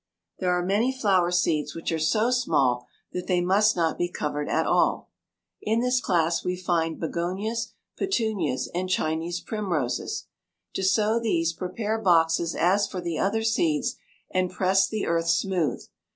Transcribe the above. There are many flower seeds which are so small that they must not be covered at all. In this class we find begonias, petunias, and Chinese primroses. To sow these prepare boxes as for the other seeds, and press the earth smooth.